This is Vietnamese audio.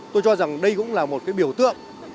tôi cho rằng đây cũng là một cái biểu tượng